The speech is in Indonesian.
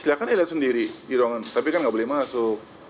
silahkan lihat sendiri di ruangan tapi kan nggak boleh masuk